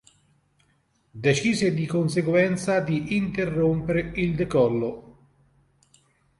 Decise di conseguenza di interrompere il decollo.